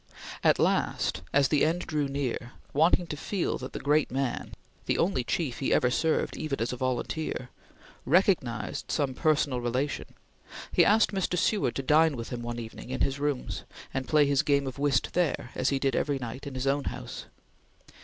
At last, as the end drew near, wanting to feel that the great man the only chief he ever served even as a volunteer recognized some personal relation, he asked Mr. Seward to dine with him one evening in his rooms, and play his game of whist there, as he did every night in his own house.